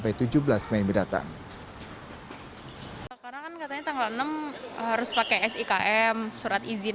karena kan katanya tanggal enam harus pakai sikm surat izin